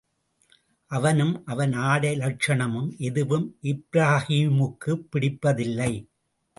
அவனும் அவன் ஆடை லட்சணமும் எதுவும் இப்ராஹீமுக்குப் பிடிப்பதில்லை.